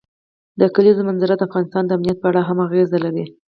د کلیزو منظره د افغانستان د امنیت په اړه هم اغېز لري.